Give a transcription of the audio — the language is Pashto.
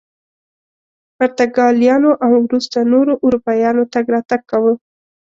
پرتګالیانو او وروسته نورو اروپایانو تګ راتګ کاوه.